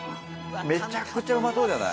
めちゃくちゃうまそうじゃない？